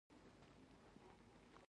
شېرګل وويل يا الله او ولاړ.